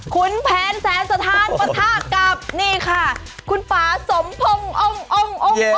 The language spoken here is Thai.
คุณแผนแสนสธานปทธากับคุณป๊าสมพงอ่ง